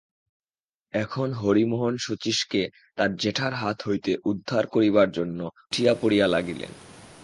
এখন হরিমোহন শচীশকে তার জ্যাঠার হাত হইতে উদ্ধার করিবার জন্য উঠিয়া-পড়িয়া লাগিলেন।